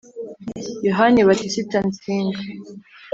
yohani batisita nsinga